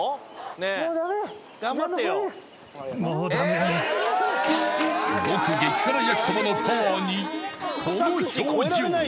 ねえ獄激辛やきそばのパワーにこの表情